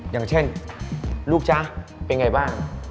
อย่างเช่นลูกจ๊ะเป็นไงบ้าง